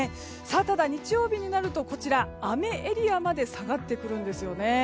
ただ日曜日になると雨エリアまで下がってくるんですよね。